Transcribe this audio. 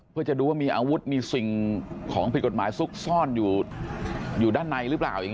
เพื่อจะดูว่ามีอาวุธมีสิ่งของผิดกฎหมายซุกซ่อนอยู่ด้านในหรือเปล่าอย่างนี้